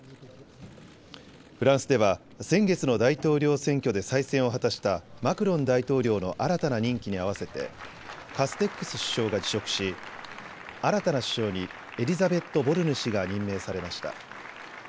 フランスでは先月の大統領選挙で再選を果たしたマクロン大統領の新たな任期に合わせてカステックス首相が辞職し新たな首相にエリザベット・ボルヌ氏が任命されました。